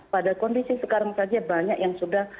pada kondisi sekarang saja banyak yang sudah